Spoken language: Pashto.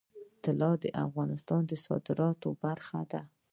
طلا د افغانستان د صادراتو برخه ده.